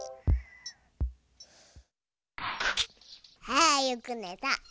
あよくねた。